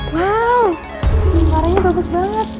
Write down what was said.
wow warnanya bagus banget